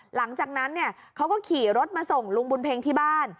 หลังจากนั้นเขาก็ขี่รถมาส่งลุงบุญเพ็งที่บ้าน